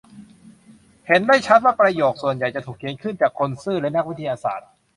เห็นได้ชัดว่าประโยคส่วนใหญ่จะถูกเขียนขึ้นจากคนซื่อและนักวิทยาศาสตร์